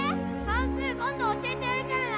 算数今度教えてやるからな！